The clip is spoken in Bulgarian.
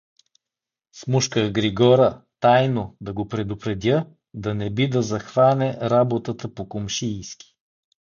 Смушках Григора, тайно да го предупредя, да не би да захване работата по комшийски.